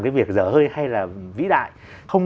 cái việc dở hơi hay là vĩ đại không